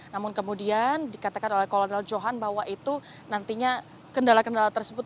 namun kemudian dikatakan oleh kolonel johan bahwa itu nantinya kendala kendala tersebut